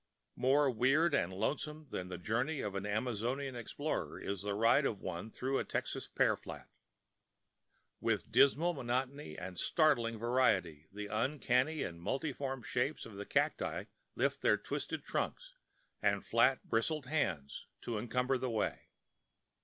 More weird and lonesome than the journey of an Amazonian explorer is the ride of one through a Texas pear flat. With dismal monotony and startling variety the uncanny and multiform shapes of the cacti lift their twisted trunks, and fat, bristly hands to encumber the way.